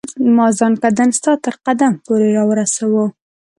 ما زکندن ستا تر قدم پوري را ورساوه